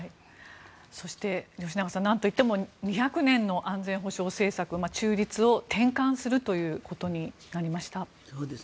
そして、吉永さんなんといっても２００年の安全保障政策中立を転換するということになりました。